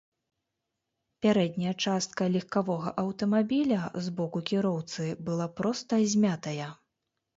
Пярэдняя частка легкавога аўтамабіля з боку кіроўцы была проста змятая.